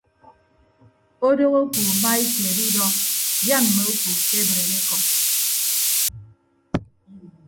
Odooho oku maikeed udọ dian mme oku kebreed ekọñ.